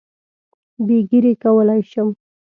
بې ږیرې کولای شم.